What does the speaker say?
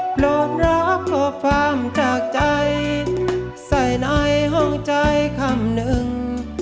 โปรดรับความจากใจใส่ในห้องใจคำหนึ่ง